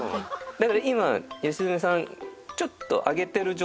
だから今吉住さん。